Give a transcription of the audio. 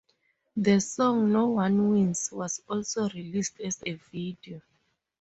The song 'No-one Wins' was also released as a video.